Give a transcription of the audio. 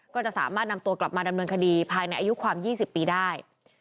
ก็จะสามารถนำตัวกลับมาดำเนินคดีภายในอายุความ๒๐ปีได้